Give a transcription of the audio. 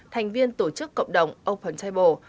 thành viên tổ chức cộng đồng open table